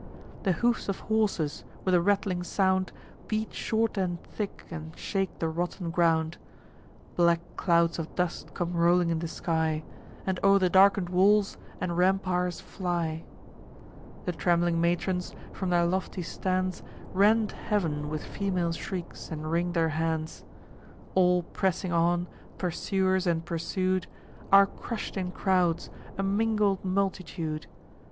The hoofs of horses, with a rattling sound, Beat short and thick, and shake the rotten ground. Black clouds of dust come rolling in the sky, And o'er the darken'd walls and rampires fly. The trembling matrons, from their lofty stands, Rend heav'n with female shrieks, and wring their hands. All pressing on, pursuers and pursued, Are crush'd in crowds, a mingled multitude.